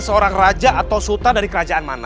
seorang raja atau sultan dari kerajaan mana